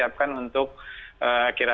kami akan mempersiapkan diri